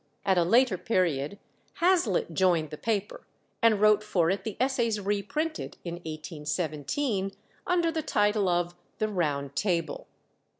At a later period, Hazlitt joined the paper, and wrote for it the essays reprinted (in 1817) under the title of The Round Table.